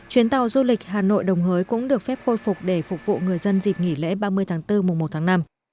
chuyến tàu du lịch hà nội đồng hới cũng được phép khôi phục để phục vụ người dân dịp nghỉ lễ ba mươi tháng bốn mùa một tháng năm